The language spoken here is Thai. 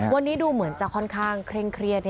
วันนี้ดูเหมือนจะค่อนข้างเคร่งเครียด